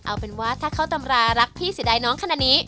เอาเป็นว่าถ้าเข้าตำรารักพี่เสียดายน้องขนาดนี้